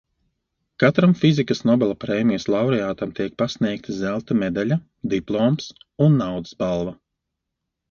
Katram fizikas Nobela prēmijas laureātam tiek pasniegta zelta medaļa, diploms un naudas balva.